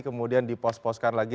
kemudian dipost postkan lagi